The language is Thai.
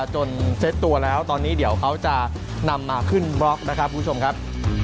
เซ็ตตัวแล้วตอนนี้เดี๋ยวเขาจะนำมาขึ้นบล็อกนะครับคุณผู้ชมครับ